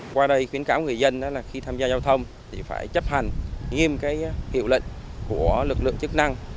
qua đây khuyến cáo người dân là khi tham gia giao thông thì phải chấp hành nghiêm hiệu lệnh của lực lượng chức năng